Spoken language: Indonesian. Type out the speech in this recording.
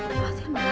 jelat yang drama